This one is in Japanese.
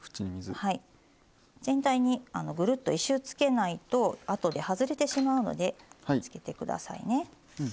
全体にぐるっと１周つけないと後で外れてしまうのでつけてくださいね。